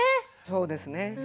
そうですね。